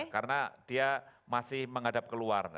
karena dia masih menghadap keluar